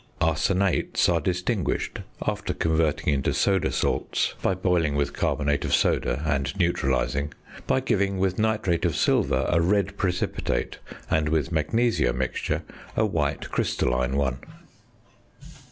Arsenates are distinguished (after converting into soda salts by boiling with carbonate of soda and neutralising) by giving with nitrate of silver a red precipitate, and with "magnesia mixture" a white crystalline one.